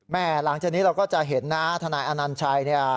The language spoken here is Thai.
แม่หลังจากนี้เราก็จะเห็นนะทนายอนันท์ชัย